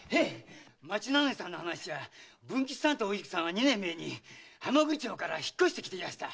町名主の話じゃ文吉さんとおゆきさんは二年前に蛤町から引っ越して来ていました。